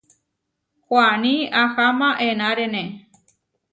Huaní aháma enárene.